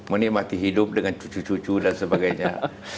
menikmati hidup dengan cucu cucu dan sebagainya